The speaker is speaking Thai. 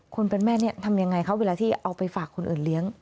คนเป็นแม่เนี่ยทำยังไงคะเวลาที่เอาไปฝากคนอื่นเลี้ยง